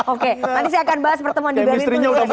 oke nanti saya akan bahas pertemuan di berlin dulu